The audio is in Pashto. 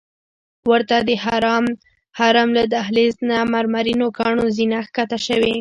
ورته د حرم له دهلیز نه مرمرینو کاڼو زینه ښکته شوې.